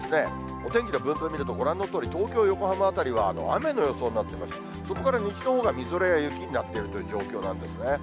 お天気の分布見ると、ご覧のとおり、東京、横浜辺りは雨の予想になっていまして、そこから西のほうがみぞれや雪になっているという状況なんですね。